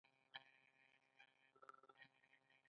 توپک جنازه پر جنازه زیاتوي.